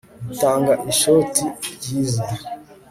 Tanga ishoti ryiza